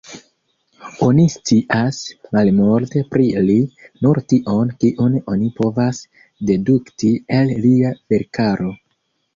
Oni scias malmulte pri li, nur tion kiun oni povas dedukti el lia verkaro.